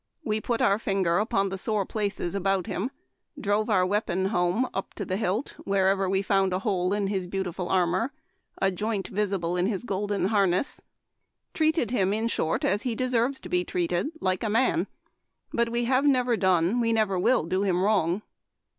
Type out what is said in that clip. We put our finger upon the sore places about him ; drove our weapon home, up to the hilt, wherever we found a hole in his beautiful armor — a joint visible in his golden harness ; treated him, in short, as he deserves to be treated, like a man ; but we have never done, we never will do him wrong.